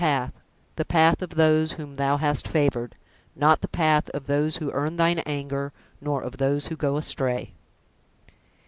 P: The path of those whom Thou hast favoured; Not the (path) of those who earn Thine anger nor of those who go astray.